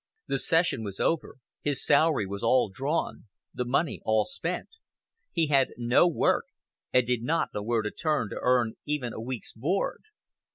The session was over, his salary was all drawn, the money all spent; he had no work, and did not know where to turn to earn even a week's board.